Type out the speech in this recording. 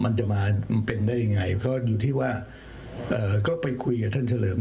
ท่านพูดว่ามันจะมาเป็นได้ยังไงเขาอยู่ที่ว่าก็ไปคุยกับท่านเฉลิม